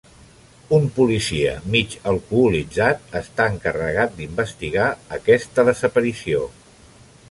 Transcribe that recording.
Un policia, mig alcoholitzat, està encarregat d'investigar aquesta desaparició.